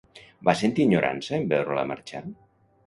Va sentir enyorança en veure-la marxar?